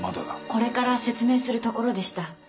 これから説明するところでした。